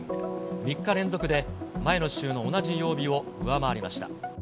３日連続で前の週の同じ曜日を上回りました。